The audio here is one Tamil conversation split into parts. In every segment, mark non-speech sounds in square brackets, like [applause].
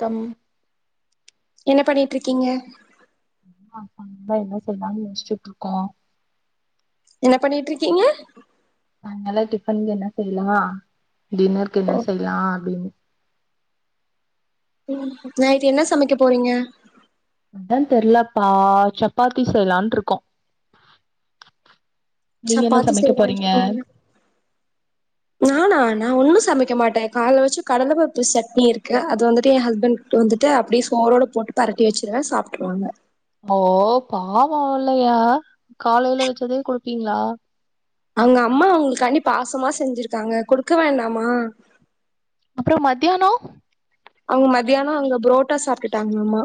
கம் என்ன பண்ணிட்ருக்கீங்க அம்மா அப்பா வந்தா என்ன செய்லானு யோசிச்சுட்ருக்கோ என்ன பண்ணிட்டு இருக்கீங்க நா நல்லா டிஃபன்ல என்ன செய்லா டின்னருக்கு என்ன செய்லா அப்டின்னு உ நைட்டு என்ன சமைக்க போறீங்க அதா தெரிலப்பா சப்பாத்தி செய்யலான்ட்ருக்கோ சப்பாத்தி செய்றேனு சொன்னிங்க நானா நா ஒண்ணு சமைக்க மாட்டே கால்ல வச்ச கடல பருபு சட்னி இருக்கு அது வந்துட்டு எ ஹஸ்பண்ட்கு வந்துட்டு அப்டியே சோரோட போட்டு பேரட்டி வச்சிருவே சாப்ட்ருவாங்க ஓ பாவோ இல்லையா காலைல வச்சதே குடுப்பீங்களா அவுங்க அம்மா அவங்ளுக்காண்டி பாசமா செஞ்சிருக்காங்க குடுக்க வேண்டாமா மத்யானோ ட்டாங்கம்மா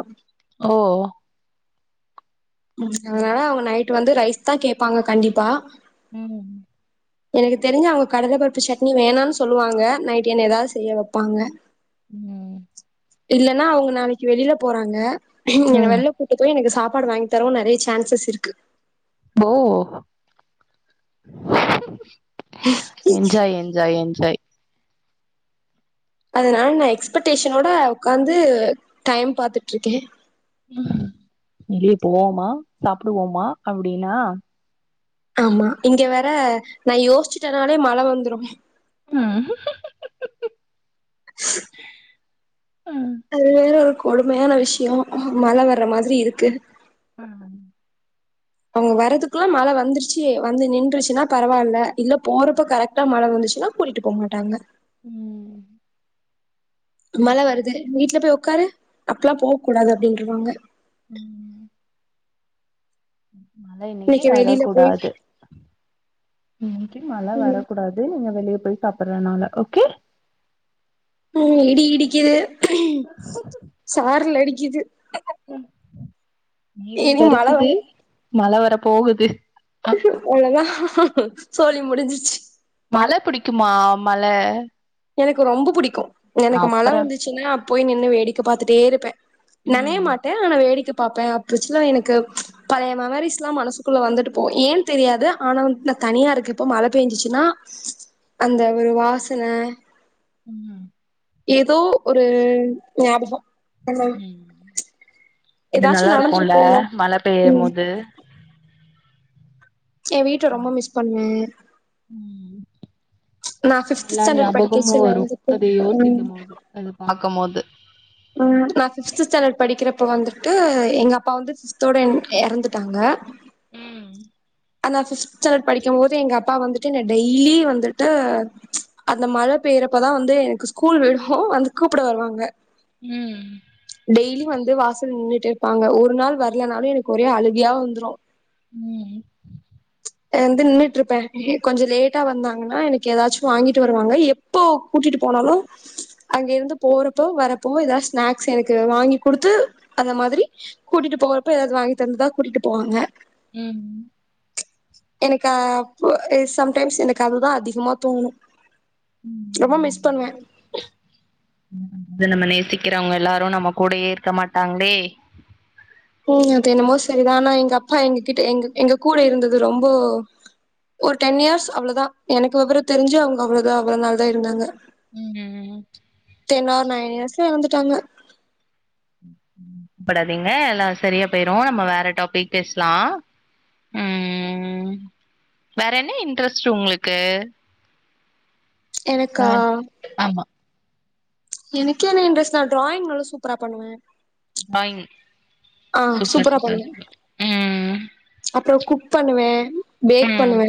ஓ உ அதனால அவங்க நைட் வந்து ரைஸ் தா கேப்பாங்க கண்டிப்பா உ எனக்கு தெரிஞ்சி அவங்க கடல பருப்பு சட்னி வேணாம்னு சொல்லுவாங்க நைட் என்ன ஏதாவது செய்ய வைப்பாங்க உ இல்லன்னா அவங்க நாளைக்கு வெளில போறாங்க என்ன ம் வெள்ள கூட்டு போய் எனக்கு சாப் பாடு வாங்க் தரவ நெறயா சான்சஸ் இருக்கு போ என்ஜாய் என்ஜாய் என்ஜாய் அதனால நா எக்ஸ்பெக்டேஷனோட உக்காந்து டைம் பாத்துட்ருக்கே உ வெளிய போவோமா சாப்டுவோமா அப்டின்னா ஆமா இங்க வேற நா யோசிச்சட்டனாலே மழ வந்துரு உ உ அது வேற ஒரு கொடுமையான விஷயோ மழ வர்ற மாதிரி இருக்கு அ அவங்க வர்றதுக்குல்ல மழ வந்துருச்சு வந்து நின்றுச்சுன்னா பரவாயில்ல இல்ல போறப்ப கரெக்டா மழ வந்து சுனா கூட்டிட்டு போக மாட்டாங்க உ மழ வருது வீட்ல போய் உக்காரு அப்லா போக்கூடாது அப்டின்ருவாங்க உ ம் மழ இன்னைக்கு வெளியில போய் வரக்கூடாது இன்னைக்கு மழ ம் வரக்கூடாது நீங்க வெளிய போய் சாப்டுறனால ஓகே உ இடி இடிக்குது உ சாரல் அடிக்குது மேகம் இனி மழை கருக்குது மழ வரப் போகுது [unintelligible] அவ்ளதா ஹு ஹு சோலி முடிஞ்சுர்சு மழ புடிக்குமா மழ எனக்கு ரொம்ப புடிக்கு எனக்கு மழ அப்புற வந்துச்சுன்னா போய் நின்னு வேடிக்க பாத்துட்டே இருப்பே நனய ம் மாட்டே ஆனா வேடிக்க பாப்பே அப்பச்சல்ல எனக்கு பழைய மெமரிஸ்லா மனசுக்குள்ள வந்துட்டு போவு ஏனு தெரியாது ஆனா நா தனியா இருக்கப்போ மழ பெஞ்சிச்சுன்னா அந்த ஒரு வாசன உ ஏதோ ஒரு ஞாபகோ ஆமா உ அது நல்லா ஏதாச்சு இருக்கும்ல நடந்திருக்குல்ல மழ பெய்யம் ம் போது என் வீட்ட ரொம்ப மிஸ் பண்ணுவே உ நா ஃபிப்த் எல்லா ஸ்டாண்டர்ட் ஞாபகமு படிக்கச்சுல வரு வந்துட்டு அத யோசிக்கம் போது அத பாக்கம்போது உ நா ஃபிஃப்த் ஸ்டாண்டர்ட் படிக்கிறப்ப வந்துட்டு எங்க அப்பா வந்து ஃபிஃப்தோட எறந்துட்டாங்க உ அந்த ஃபிஃப்த் ஸ்டாண்டர்ட் படிக்கும்போது எங்க அப்பா வந்துட்டு என்ன டெய்லி வந்துட்டு அந்த மழ பெய்றப்பதா வந்து எனக்கு ஸ்கூல் விடு வந்து கூப்பிட வருவாங்க ம் டெய்லி வந்து வாசல்ல நின்னு டேஇருப்பாங்க ஒரு நாள் வரலனாலு எனக்கு ஒரே அழுகயா வந்துரு உ வந்து நின்னுட்டு இருப்பே கொஞ்ச லேட்டா வந்தாங்கன்னா எனக்கு ஏதாச்சு வாங்கிட்டு வருவாங்க எப்போ கூட்டிட்டு போனாலு அங்க இருந்து போறப்போ வரப்போவு ஏதாவது ஸ்நாக்ஸ் எனக்கு வாங்கி குடுத்து அந்த மாதிரி கூட்டிட்டு போறப்போ ஏதாவது வாங்கி தந்துதா கூட்டிட்டு போவாங்க உ ச் எனக்கு சம்டைம்ஸ் எனக்கு அதுதா அதிகமா தோணு ரொம்ப ம் மிஸ் பண்ணுவே கிறவங்க எல்லாரு நம்ம கூடயே இருக்க மாட்டாங்களே உ அது என்னமோ சரிதா ஆனா எங்க அப்பா எங்க கிட்ட எங்க எங்க கூட இருந்தது ரொம்ப ஒரு டென் இயர்ஸ் அவ்ளதா எனக்கு விவரோ தெரிஞ்சு அவங்க அவ்ளதா அவ்ள நாள் தா இருந்தாங்க உ என்ன ஒரு நயன் இயர்ஸ்ல எறந்துட்டாங்க படாதீங்க எல்லா சரியா போயிரு நம்ம வேற டாபிக் பேசலா உ வேற என்ன இன்ட்ரெஸ்ட் உங்களுக்கு எனக்கா ஆமா எனக்கு என்ன இன்ட்ரெஸ்ட் நா டிராயிங் நல்ல சூப்பரா பண்ணுவே ட்ராயிங் ஆ சூப்பரா பண்ணுவே ம் அப்றோ குக் பண்ணுவே பேக் ம் பண்ணுவே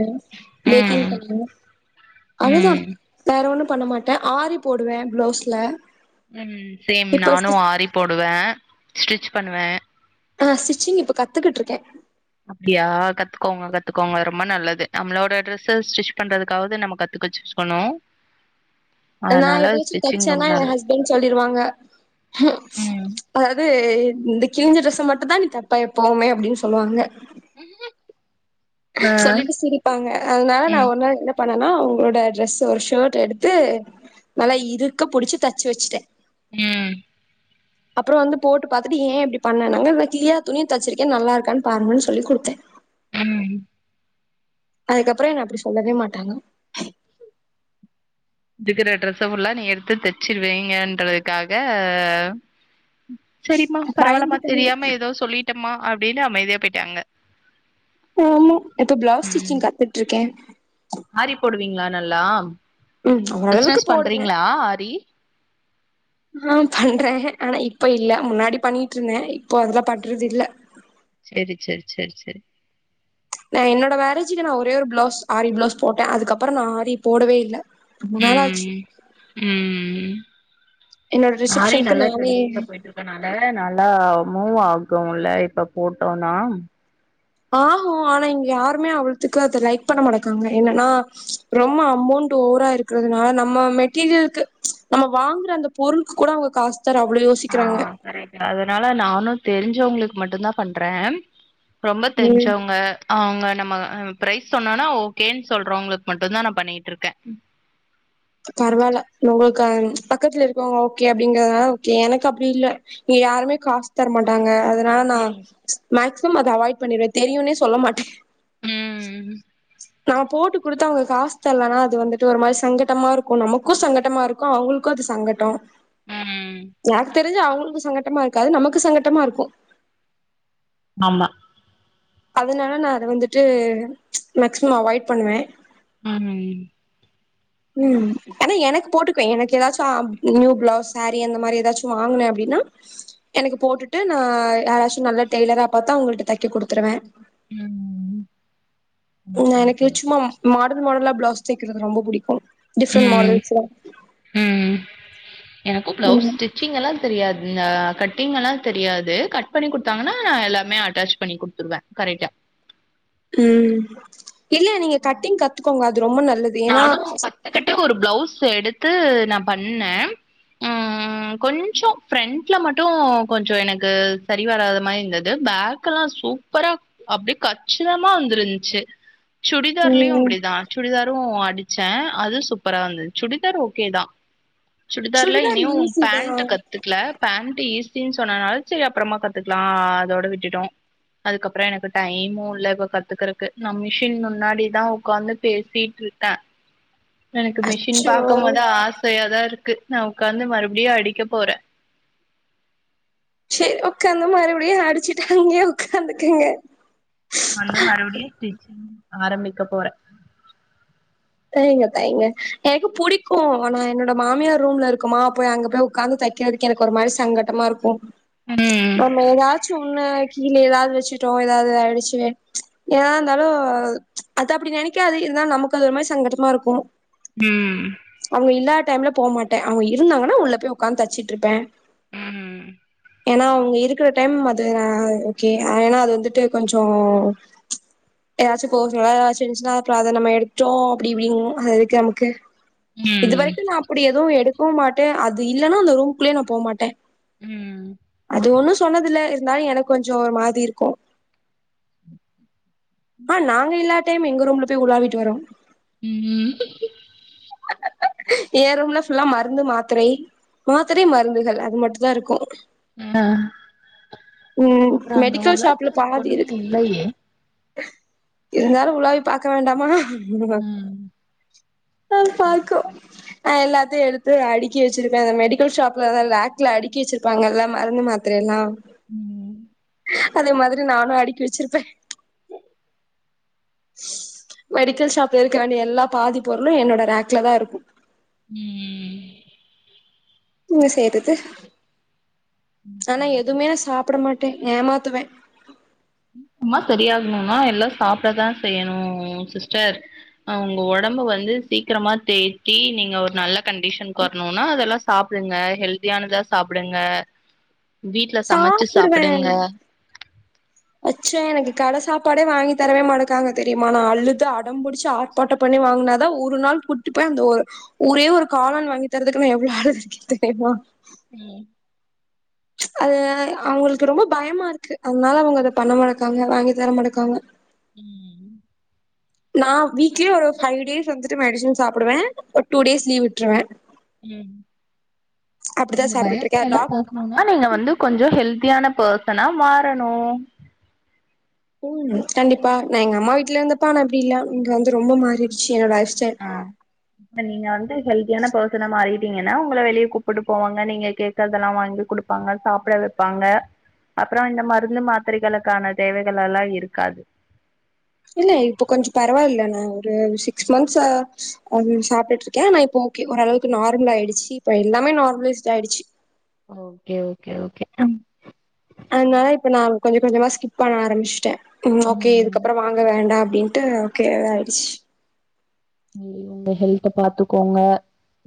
பேக்கிங் ம் பண்ணுவே அவ்ளதா ம் வேற ஒண்ணு பண்ண மாட்டே ஆரி போடுவே பிளவுஸ்ல உ சேம் இப்ப நானு ஸ்டிச் ஆறி போடுவே ஸ்டிச் பண்ணுவே ஆ ஸ்டிச்சிங் இப்ப கத்துக்கிட்டு இருக்கே அப்டியா கத்துக்கோங்க கத்துக்கோங்க ரொம்ப நல்லது நம்மளோட ட்ரெஸ்ஸ ஸ்டிச் பண்றதுக்காவது நம்ம கத்துக்கச்சூஸ் பன்ணு நா ஏதாச்சு தச்சேன்னா எ நல்லது ஹஸ்பண்ட் சொல்லிருவாங்க உ ம் அதாவது இந்த கிளிஞ்ச டிரெஸ்ச மட்டுந்தா நீ தப்ப எப்போவுமே அப்டின்னு சொல்லுவாங்க [unintelligible] சொல்லிட்டு ஆ சிரிப்பாங்க அதனால நா ம் ஒரு நாள் என்ன பன் பண்ணனா அவங்களோட ட்ரெஸ்ஸ ஒரு ஷர்ட்ட எடுத்து நல்லா இருக்க புடிச்சு தச்சு வச்சுட்டே உ அப்பறோ வந்து போட்டு பாத்துட்டு ஏ இப்டி பண்ணநாங்க நா கிளியா துணிய தச்சிருக்கே நல்லா இருக்கான்னு பாருங்கன்னு சொல்லி குடுத்தே உ அதுக்கப்பறோ என்ன அப்டி சொல்லவே மாட்டாங்க இருக்குற ட்ரெஸ்ஸ ஃபுல்லா நீங்க எடுத்து தச்சிருவீங்கன்றதுக்காக ஆ சரிமா பரவாயில்லமா பயந்துட்டாங்க தெரியாம ஏதோ சொல்லிட்டேம்மா அப்டின்னு அமைதியா போயிட்டாங்க ஆமா இப்ப பிளவுஸ் ம் ஸ்டிச்சிங் கத்துட்டு இருக்கே நல்லாம் ம் ஓரளவுக்கு பிசினஸ் போடுவே பண்றீங்களா ஆரி ஆ பண்றே ஆனா இப்ப இல்ல முன்னாடி பண்ணிட்டுயிருந்தே இப்போ அதெல்லா பண்றதுயில்ல செரி செரி செரி செரி நா என்னோட மேரேஜுக்கு நா ஒரே ஒரு பிளவுஸ் ஆரி பிளவுஸ் போட்டே அதுக்கப்புறோ நா ஆரி போடவேயில்ல உ உ என்னோட ஆரி ரிசப்ஷனுக்கு நல்லா நானே ட்ரெண்டிங்ல போயிட்டு இருக்கனால நல்லா மூவ் ஆவ்கமுட்ல இப்ப போட்டோன்னா ஆகோ ஆனா இங்க யாருமே அவ்ளதுக்கு அத லைக் பண்ண மாடிக்காங்க என்னன்னா ரொம்ப அமௌண்ட் ஓவரா இருக்குறதுனால நம்ம மெட்டீரியலுக்கு நம்ம வாங்குற அந்த பொருள்கு கூட அவங்க காசு தர அவ்ளோ ஆ யோசிக்குறாங்க கரெக்ட் அதனால நானு தெரிஞ்சவங்களுக்கு மட்டோதா பண்றே ரொம்ப ம் தெரிஞ்சவங்க அவங்க நம்ம ஆ ப்ரைஸ் சொன்னோனா ஓகேன்னு சொல்றவங்களுக்கு மட்டோதா நா பண்ணிட்டுயிருக்கே க பக்கத்துல இருக்கவங்க ஓகே அப்டிங்குறனால கே எனக்கு அப்டி இல்ல இங்க யாருமே காசு தர மாட்டாங்க அத நானா ஸ் மேக்ஸ் த்தமா அத அவாய்ட் பண்ணிருவே தெரியுனே சொல்ல மாட்டே ம் [inaudible] நா போட்டு குடுத்து அவங்க காசு தரலன்னா அது வந்துட்டு ஒரு மாரி சங்கட் டமா இருக்கோ நமக்கோ சங்கட்டமாயிருக்கோ அவங்களுக்கோ அது சங்கட்டோ ம் ஜாக்கெட்டு தெரிஞ்சி அவங்களுக்கு சங்கட்டமாயிருக்காது நமக்கு சங்கட்டமாயிருக்கோ ஆமா அதனால நா அத வந்துட்டு மேக்சிமம் அவாய்ட் பண்ணுவே உ ஹு ஆனா எனக்கு போட்டுக்குவே எனக்கு எதாச்சோ நியூ பிளவுஸ் சாரி அந்த மாரி எதாச்சோ வாங்குனே அப்டின்னா எனக்கு போட்டுட்டு நா யாராச்சு நல்ல டெய்லரா பாத்து அவங்கள்ட தெக்க குடுத்துருவே உ உ எனக்கு சும்மா மாடல் மாடலா பிளவுஸ் தெச்சு வெக்குறது ரொம்ப புடிக்கோ டிஃப்ரென்ட் ம் மாடல்ஸ்ல எனக்கோ பிளவுஸ் ம் ஸ்டிச்சிங்யெல்லா தெரியாது இந்த கட்டிங்யெல்லா தெரியாது கட் பண்ணி குடுத்தாங்கன்னா நா எல்லாமே அட்டாச் பண்ணி குடுத்துருவே கரெக்டா உ இல்ல நீங்க கட்டிங் கத்துக்கோங்க அது து ரொம்ப நல்லது ஏன்னா நானு கத்துக்கிட்டு ஒரு பிளவுஸ் எடுத்து நா பண்ணே உ கொஞ்சோ ஃப்ரண்ட்ல மட்டோ கொஞ்சோ எனக்கு சரி வராத மாரி இருந்துது பேக்கெல்லா சூப்பரா அப்டியே கச்சிதமா வந்திருந்துன்ச்சு சுடிதார்லயோ ம் அப்டிதா சுடிதார் ஒ அடிச்சே அது சூப்பரா வந்தது சுடிதார் ஓகே தா சுடிதார்ல சுடிதார் இனியு ஈஸி தா பேண்ட் கத்துக்கல பேண்ட் ஏஸ் மின் சொன்னனாலு சரி அப்புறமா கத்துக்கலா அதோட விட்டுட்டோ அதுக்கப்றோ எனக்கு டைமு இல்ல இப்ப கத்துக்கறதுக்கு நா மிஷின் முன்னாடிதா உக்காந்து பேசி இருக்கே எனக்கு மிஷின் அச்சோ பாகும்போது ஆசையாதா இருக்கு க்கு நா உக்கார்ந்து மறுபடியு அடிக்க போறே சரி உக்காந்த மறுபடியு அடிச்சுட்ட அங்கயே உக்காந்துக்கங்க நால மறுபடியு டீச் ஆரம்பிக்க போறே தைங்க தையங்க எனக்கு புடிக்கு ஆனா என்னோட மாமியார் ரூம்ல இருக்குமா போய் அங்க போய் உக்கார்ந்து தைக்கிறதுக்கு எனக்கு ஒரு மாரி சங்கடமா இருக்கு ம் நாம ஏதாச்சு ஒன்ன கீழே ஏதாவது வச்சுட்டோ ஏதாவது ஆயிடுச்சு ச் ஏதா இருந்தாலும் ச் அது அப்டி நினைக்காது இருந்தாலு நமக்கு அது ஒரு மாரி சங்கட்டமா இருக்கு உ அவங்க இல்லாத டைம்ல போ மாட்டே அவங்க இருந்தாங்கன்னா உள்ள போய் உக்காந்து தச்சிட்டு இருப்பே உ ஏன்னா அவங்க இருக்கிற டைம் அது ஓகே ஏன்னா அது வந்துட்டு கொஞ்சோ ஏதாச்சு [unintelligible] ஏதாச்சு இருந்துச்சுன்னா அப்றோ அத நம்ம எடுத்துட்டோ அப்டி இப்டிங்கு அததெக்கு நமக்கு இது ம் வரைக்கு நா அப்டி எது எடுக் க்கவு மாட்டே அது இல்லைன்னா அந்த ரூமுக்குள்ளயே நா போ மாட்டே உ அது ஒன்னு சொன்னதுல இருந்தாலு எனக்கு கொஞ்ச ஒரு மாதிரி இருக்கு ஆ நாங்க இல்லாட் டைம் எங்க ரூம்ல போய் உலாவிட்டு வரு உ ஏ ரூம்ல ஃபுல்லா மருந்து மாத்திரை மாத்திரை மருந்துகள் அது மட்டுந் தா இருக்கு அ ம் அப்றோ அங்க மெடிக்கல் ஷாப்ல பாதி உண்ணுமே இருக்கு இல்லையே இருந்தாலு உலாவி பாக்க வேண்டாமா உஹம் நா பாக்கோ ந எல்லாத்தையு எடுத்து அடுக்கி வச்சிருப்பே அந்த மெடிக்கல ஷாப்லான் லேக்ல அடுக்கி வச்சிருப்பாங்கல்ல மருந்து மாத்திரை எல்லா உஹம் அதே மாதிரி நானும் அடுக்கி வச்சிருப்பேன் ஹ மெடிக்கல் ஷாப்ல இரு இரு வேண்டி எல்லா பாதி பொருளும் என்னோட ரேக்ல தான் இருக்கும் உஹம் உங்க செய்றது ஆனா எதுவுமே சாப்பிட மாட்டேன் ஏ மாத்தமே அமா சரியாகணும்னா எல்லாம் சாப்பிடதான் செய்யணும் சிஸ்டர் உங்க உடம்ப வந்து சீக்கிரமா தே்சி நீங்க ஒரு நல்ல கண்டிஷன் கு வரணும்னா அதெல்லாம் சாப்பிடுங்க ஹெல்தியானதா சாப்பிடுங்க வீட்டு்ல சமைச்சு சாப்டுவே சாப்பிடுங்க அச்ச எனக்கு கடை சாப்பாடே வாங்கி தரவே மாட்டக்காங்க தெரியுமா நான் அழுது அடம்புடிச்சு ஆர்ப்பாட்டம் பண்ணிங்கினாதான் ஒரு நாள் கூட்டி போய் அந்த ஒரு ஒரே ஒரு காலன் வாங்கி தரதுக்கு நான் எவ்வளவு அழது இருக்கேன் தெரியுமா உஹம் அது அவங்களுக்கு ரொம்ப பயமா இருக்கு அதனால அவங்க அத பண்ணமாட்டக்காங்க வாங்கி தரமாட்டக்காங்க உம் நான் வீக்லி ஒரு பைவ் டேஸ் வந்துட்டு மெடிசன் சாப்பிடுவேன் ஒரு டூ டேஸ் லீவ் விட்டுருவேன் அப்டிதா அந்த பய சாப்ட்டுட்டு இருக்கே டாக் எாம் நீங்க வந்து கொஞ்சம் ஹெல்த உத்தியான பேர்சனா மாறணும் உஹம் கண்டிப்பா நான் எங்க அம்மா வீட்டுல இருந்த பா அப்படி இல்ல நீங்க வந்து ரொம்ப மாறிடுச்சு என்னோட லைஃப் ஸ்டைல் ஆஹ் இப்ப நீங்க வந்து ஹெல்தியான பர்சன மாறி ங்கன்னா உங்க வெளியே கூப்பிட்டு போவாங்க நீங்க கேட்கதெல்லாம் வாங்கி கு கொடுப்பாங்க சாப்பிட வைப்பாங்க அப்புறம் இந்த மருந்து மாத்திரைகளுக்கான தேவைகள் எல்லாம் இருக்காது இல்ல இப்ப கொஞ்சம் பரவாயில்ல நா ஒரு சிக்ஸ் மந்த்ஸ் சாப்பிட்டு இருக்கேன் நான் இப்ப ஓகே ஓரளவுக்கு நார்மல் ஆயிடுச்சு இப்ப எல்லாமே நார்மலைஸ்ட் ஆயிடுச்சு ஓகே ஓகே ஓகே அதனால இப்ப நான் கொஞ்சம் கொஞ்சமா ஸ்கிப் பண்ண ஆரம்பிச்சுட்டேன் ம் ஓகே இதுக்க அப்புறம் வாங்க வேண்டாம் அப்படின்ட்டு கேத ஆயிடுச்சு உங்க ஹெல்த பாத்துக்கோங்க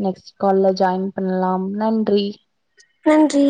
நெக்ஸ்ட் காால்ல ஜாயின் பண்ணலாம் நன்றி நன்றி